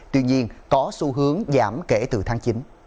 tuy nhiên có xu hướng giảm kể từ tháng chín